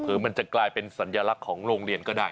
มันจะกลายเป็นสัญลักษณ์ของโรงเรียนก็ได้